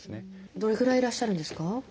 どれぐらいいらっしゃるんですか？